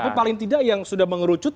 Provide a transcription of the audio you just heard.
tapi paling tidak yang sudah mengerucut